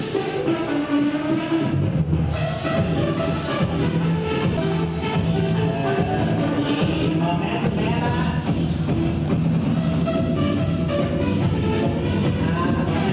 สุดท้ายก็ไม่มีเวลาที่จะรักกับที่อยู่ในภูมิหน้า